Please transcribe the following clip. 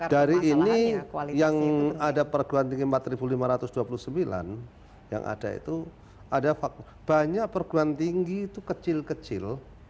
dari ini yang ada perguruan tinggi empat ribu lima ratus dua puluh sembilan yang ada itu ada banyak perguruan tinggi itu kecil kecil